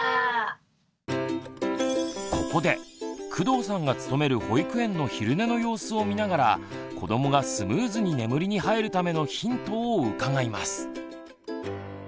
ここで工藤さんが勤める保育園の昼寝の様子を見ながら子どもがスムーズに眠りに入るためのヒントを伺います。